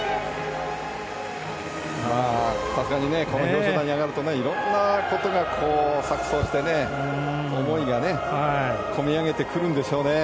さすがにこの表彰台に上がると色んなことが錯そうして思いが込み上げてくるんでしょうね。